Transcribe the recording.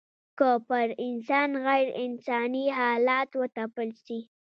که پر انسان غېر انساني حالات وتپل سي